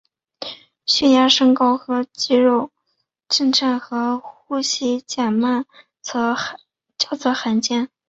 血压升高和肌肉震颤和呼吸减慢则较罕见。